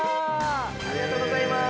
ありがとうございます。